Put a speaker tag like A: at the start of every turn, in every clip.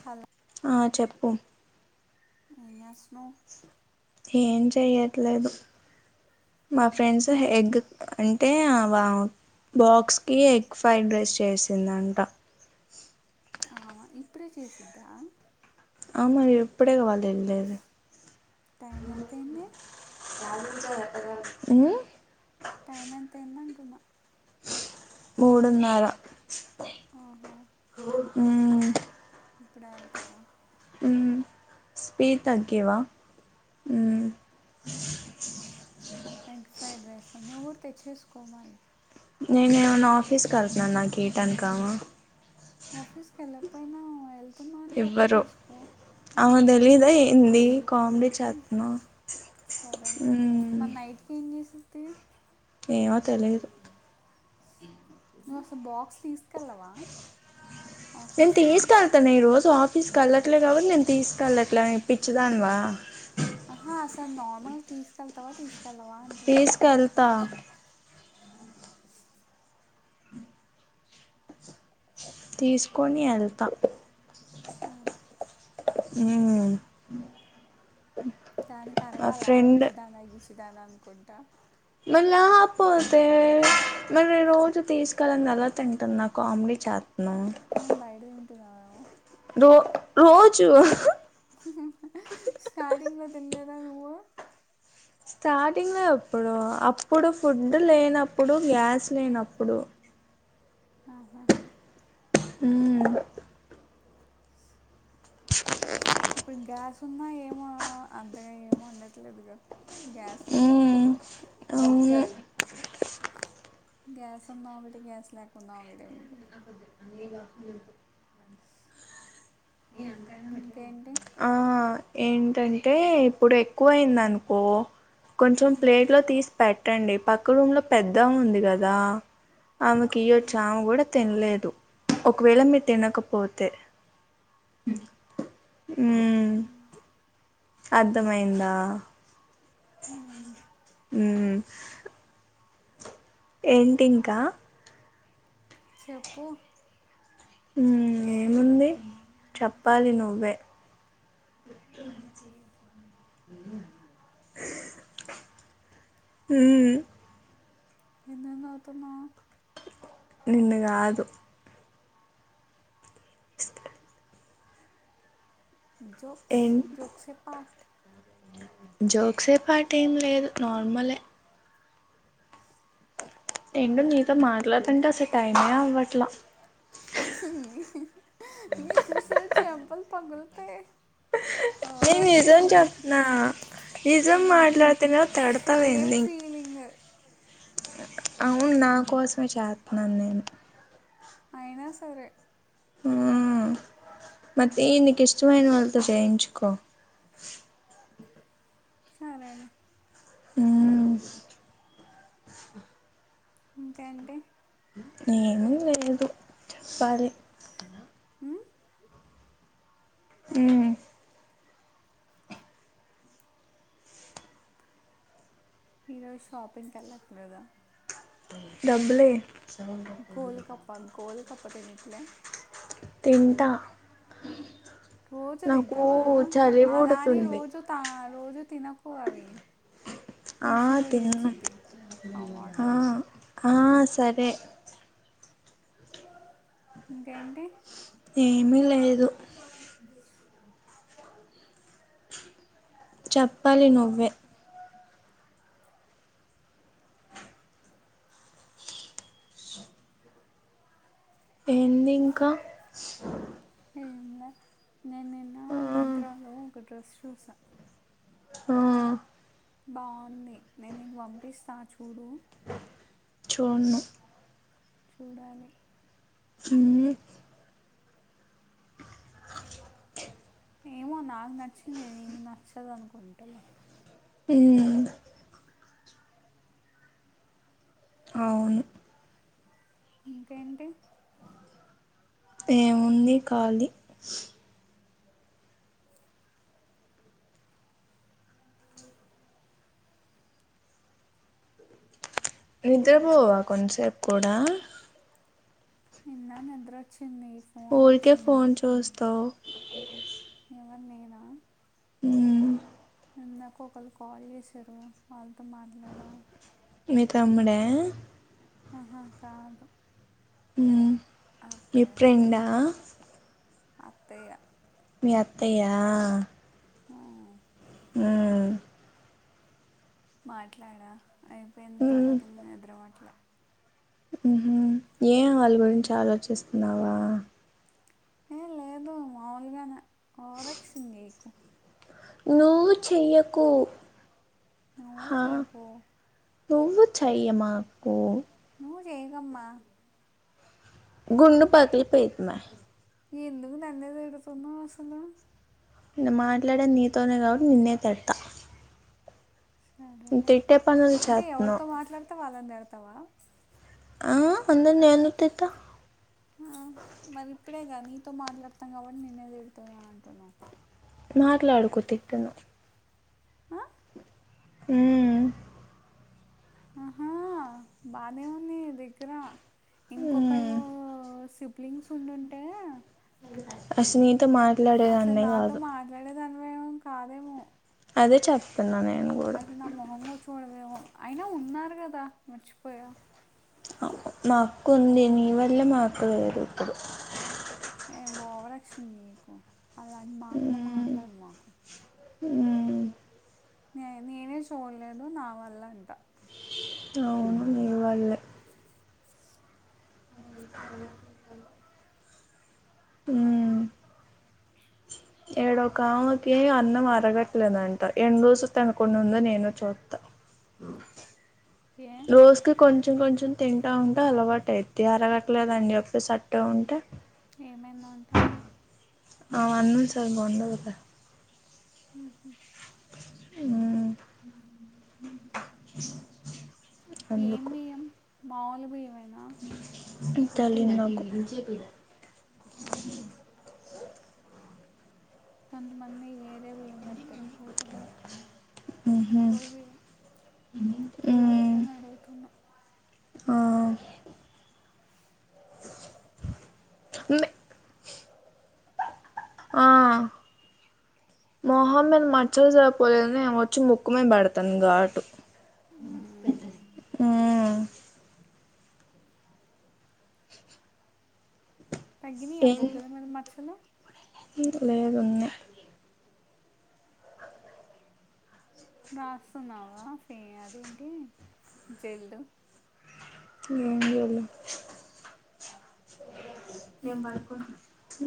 A: Hello
B: ఆ చెప్పు
A: ఏంచేస్తాన్నావ్
B: ఏం చెయట్లేదు మా
A: మ్మ్.
B: ఫ్రెండ్స్ హెగ్గ్ అంటే ఆ బాక్స్ కి ఎగ్ ఫ్రైడ్ రైస్ చేసింది అంట
A: ఆహహ ఇప్పుడే చేసిద్దా
B: ఆ మరి ఇప్పుడే కదా వాళ్ళు ఎళ్ళేది
A: టైం ఎంతైంది
B: ఉమ్మ్
A: టైం ఎంతైంది అంటున్న
B: మూడున్నర
A: ఆహా
B: హు
A: ఇప్పుడే వెళ్తార
B: [unintelligible] స్పీడ్ తగ్గివ
A: [inaudible] ఎగ్ ఫ్రైడ్ రైస్ నువ్వు గుడ తెచ్చేసుకో మరీ
B: నేనేమైనా ఆఫీస్కి వెళ్తున్నాన నాకు ఈ టైమ్ కి [unintelligible]
A: ఆఫీస్కి వెళ్ళకపోయినా వెళ్తున్నా అని చెప్పి తీసుకో మ్మ్.
B: ఆమెకి తెలీదా ఏంది కామెడీ చేతున్నావ్
A: సరేలే మరి నైట్ కి ఏం చేసిద్ది
B: ఏమో తెలీదు
A: నువ్ అస్సలు బాక్స్ తీసుకెళ్ళవ
B: నేను తీసుకెళ్తాను ఈరోజ ఆ పీస్కేలట్లే కాబట్టి నేను తీసుకెళ్లట్లే నువు పిచ్చిదానివా
A: ఆహా అసలు నార్మల్ గా తీసుకెళ్తావ తీసుకెళ్ళవ అంటున్నా
B: త తీసుకొని ఎల్త
A: సరే
B: హు
A: దానికి అర్వాలా పిచ్చిదాన గిచ్చిదానా అనుకుంట
B: మరి లేకపోతే మరి రోజు తీసుకెళంది ఏలా తింటున్న కామెడీ చే
A: ఆ!
B: [unintelligible]
A: [unintelligible]
B: రో రోజు
A: స్టార్టింగ్ లో తిన్లేద నువ్వు
B: స్టార్టింగ్ లో ఎప్పుడు అప్పుడు ఫుడ్ లేనప్పుడు గ్యాస్ లేనప్పుడు
A: ఆహా
B: హు
A: ఇప్పుడు గ్యాస్ ఉన్నా ఏమో అంతగా ఏం వండట్లేదుగ గ్యాస్
B: ఉమ్
A: లేనప్పుడు
B: అవును
A: గ్యాస్ ఉన్న ఒక్కటే గ్యాస్ లేకున్న ఒక్కటే మీకు ఇంకేంటి?
B: [unintelligible] ఆ ఏంటంటే ఇప్పుడు ఎక్కువ అయింది అనుకో కొంచెం
A: హ్మ్.
B: ప్లేట్ లో తీస్ పెట్టండి పక్క రూమ్ లో పెద్ద ఆమె ఉంది కదా ఆమెకియొచ్చు ఆమె కూడ తినలేదు ఒకవేళ మీరు తినకపోతే ఉ అర్థమైందా
A: హ
B: ఊ ఏంటింకా
A: చెప్పు
B: ఏముంది చెప్పాలి నువ్వే
A: [inaudible]
B: హు
A: ఎందుకు నవ్వుతన్నావ్
B: నిన్ను కాదు
A: జోక్స్
B: ఏం
A: జోక్స్ ఎ పార్ట్
B: జోక్సే పార్ట్ ఏం లేదు నార్మలే ఏంటో నీతో మాట్లాతంటే అసలు టైమే అవ్వట్లా
A: నీ పగులుతే
B: నేను నిజం చెప్తున్న నిజం
A: హ్మ్.
B: మాట్లాడతనే
A: సేమ్
B: తిడతవెంది
A: ఫీలింగ్.
B: అవును నా కోసమే చేస్తున్నాను నేను
A: అయినా సరే
B: మతి నీకు ఇష్టమైన వాళ్ళతో చేయించుకో
A: సరేలే
B: ఉమ్
A: ఇంకేంటి
B: ఏమి లేదు సరే
A: ఉమ్,
B: ఉ
A: ఈరోజు షాపింగ్కి వెళ్ళట్లేదా
B: డబ్బలే
A: గోల్ కప్ప గోల్ కప్ప తినీట్లే
B: తింటా
A: రోజు
B: నాకు
A: తింటావా
B: చలి
A: అలాని
B: పుడుతుంది
A: రోజు తా రోజు తినకు అవి
B: ఆ
A: పీసీఓడి
B: తిన్ను
A: వచ్చింది ఆ వాటర్
B: ఆ సరే
A: ఇంకేంటి
B: ఏమీ లేదు చెప్పాలి నువ్వే ఎంది ఇంకా
A: ఏమ్ లే నేను నిన్న
B: ఆ
A: మింత్రాలో డ్రెస్ చూసా
B: ఆ
A: బావుంది నేను నీకు పంపిస్తా చూడు
B: చూడను
A: చూడాలి
B: ఇ
A: ఏమో నాకు నచ్చింది నీకు నచ్చదు అనుకుంటలే
B: ఉమ్ అవును
A: ఇంకేంటి
B: ఏముంది ఖాలీ నిద్రపోవా కొంతసేపు కూడా
A: ఇందాక నిద్ర వచ్చు
B: ఊరికే ఫోన్ చూస్తావ్
A: ఎవరు నేనా
B: ఉమ్మ్
A: ఇందాక ఒకళ్ళు కాల్ చేశారు వాళ్లతో మాట్లాడ
B: మీ తమ్ముడ
A: ఆహా కాదు
B: ఉమ్మ్ మీ
A: అత్తయ్య
B: ఫ్రెండ్ ఆ
A: అత్తయ్య
B: మీ అత్తయ్య
A: ఆ మాట్లాడా అయిపోయింది తర్వాత ఇంకా నిద్రపట్లే
B: ఉమ్మ్ హు ఏ వాళ్ళ గురించి ఆలోచిస్తున్నావా
A: ఏ లేదు మాములుగానే ఓవర్ యాక్షన్ చేయకు
B: నువ్వు చెయ్యకు
A: నువ్వు
B: హా
A: చెయ్యకు
B: నువ్వు చెయ్యమాకు
A: నువ్వు చేయకమ్మా
B: గుండు పగిలి పోయిద్దిమే
A: ఎందుకు నన్నే తిడుతున్నావ్ అసలు
B: నేను మాట్లాడే నీతోనే కాబట్టి నిన్నే తిడతా
A: సరేలే
B: తిట్టే పనులు
A: అంటే
B: చేస్తున్నావు
A: ఎవరితో మాట్లాడితే వాళ్ళని తిడతావా
B: ఆ అందరినీ నేను ఎందుకు తిడతా
A: ఆ మరి ఇప్పుడేగా నీతో మాట్లాడత కాబట్టి నిన్నే తిడుతున్నా అంటున్నావు
B: మాట్లాడుకో తిట్టను
A: అ
B: ఉమ్మ్
A: ఆహా బానే నీ దగ్గర
B: ఉమ్.
A: ఇంకొకళు సిబ్లింగ్స్ ఉండుంటే
B: అసలు నీతో మాట్లాడేదాన్నే కాదు
A: దానివేం కాదేమో
B: అదే చెప్తున్నానే
A: అసలు నా మొహం కూడా చూడవేమో అయినా ఉన్నారు కదా మర్చిపోయా
B: మా అక్క ఉంది నీ వల్లే మాకు వేరు ఇప్పుడు
A: ఏ ఓవరాక్షన్ చేయకు అలాంటి మాట్లే మాట్లాడ మాకు
B: ఉమ్మ్
A: నే నేనే చూడలేదు నా వల్ల అంట
B: అవును నీ వల్లే ఉమ్మ్ ఇడ ఒక ఆమెకి అన్నం అరగట్లేదంట ఎన్ని రోజులు తినకుండా ఉందో నేను చూత్తను
A: ఏ
B: రోజుకి కొంచెం కొంచెం తింటా ఉంటే అలవాటైద్ది అది అరగట్లేదని చెప్పి అట్టే ఉంటే
A: ఏమైందంటా
B: ఆమె అన్నలు సరిగ్గ ఉండరట
A: హ్మ్ హు
B: ఉమ్మ్ అందుకు
A: మాముూలు బియ్యమే
B: ఇన్ తెలీదు నాకు
A: కొంతమంది వేర్ రేపు ఏం పెడతారో కోట బియ్యం
B: మ్హూ
A: కంట్రోల్ బియ్యం
B: మ్మ్
A: అందుకని అడుగుతున్నా
B: ఆ మీ ఆ మొహమ్మీద మచ్చలు సరిపోలేదనీ వచ్చి ముక్కుమీద పెడతాంది ఘాటు
A: మ్మ్.
B: మ్మ్
A: తగ్గినయా బుగ్గల మీద మచ్చలు
B: లేదున్నే
A: రాస్తున్నావా ఫే అదేంటి జల్లు
B: ఏం వేలు ఏం మాకు [unintelligible]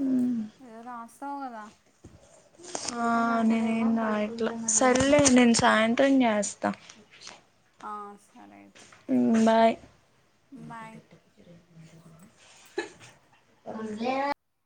A: ఏదో రాస్తావు కదా
B: ఆ నేనెం రాయేట్లా సరలే నేను సాయంత్రం చేస్తా
A: ఆ సరే అయితే
B: మ్ బాయ్
A: బాయ్
B: ఉండులే [unintelligible]